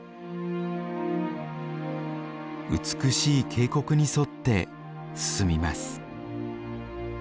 美しい渓谷に沿って進みます。